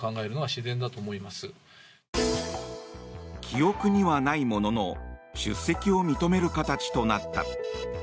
記憶にはないものの出席を認める形となった。